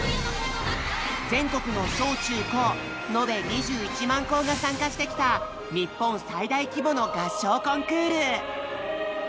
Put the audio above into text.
全国の小・中・高のべ２１万校が参加してきた日本最大規模の合唱コンクール！